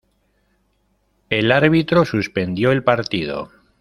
El árbitro suspendió el partido.